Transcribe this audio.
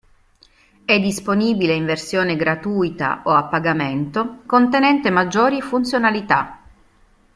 È disponibile in versione gratuita o a pagamento, contenente maggiori funzionalità.